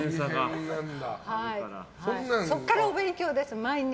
そこからお勉強です、毎日。